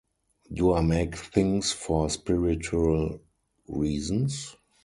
Do I make things for spiritual reasons?